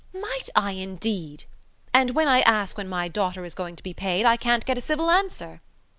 "Might I, indeed?... And when I ask when my daughter is going to be paid I can't get a civil answer."